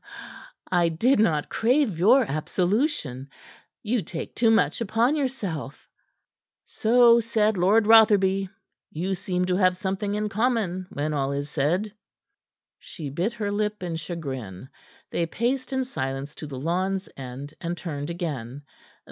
"I did not crave your absolution. You take too much upon yourself." "So said Lord Rotherby. You seem to have something in common when all is said." She bit her lip in chagrin. They paced in silence to the lawn's end, and turned again.